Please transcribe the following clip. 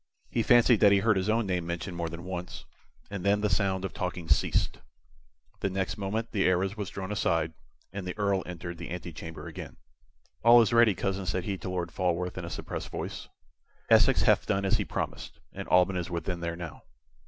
He fancied that he heard his own name mentioned more than once, and then the sound of talking ceased. The next moment the arras was drawn aside, and the Earl entered the antechamber again. "All is ready, cousin," said he to Lord Falworth, in a suppressed voice. "Essex hath done as he promised, and Alban is within there now."